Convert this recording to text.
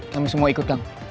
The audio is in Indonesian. kami semua ikut kang